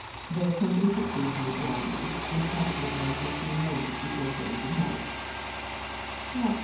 They accompanied the two from the drawing room, and chatted with them for a few moments before saying good night" "What!"